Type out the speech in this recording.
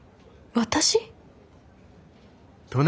私？